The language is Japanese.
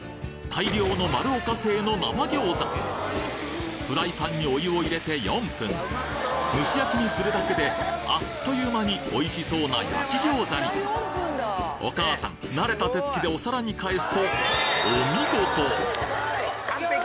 大量の丸岡製の生餃子フライパンにお湯を入れて４分蒸し焼きにするだけであっという間においしそうな焼き餃子にお母さん慣れた手つきでお皿に返すとお見事！